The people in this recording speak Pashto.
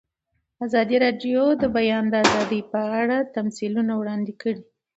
ازادي راډیو د د بیان آزادي په اړه تاریخي تمثیلونه وړاندې کړي.